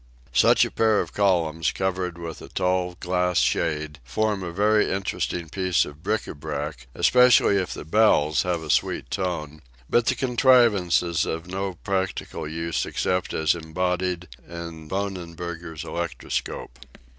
Such a pair of columns, covered with a tall glass shade, form a very interesting piece of bric a brac, especially if the bells have a sweet tone, but the contrivance is of no prac tical use except as embodied in Bohnenberger's electroscope.